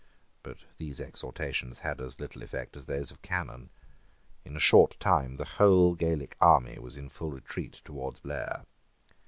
But these exhortations had as little effect as those of Cannon. In a short time the whole Gaelic army was in full retreat towards Blair.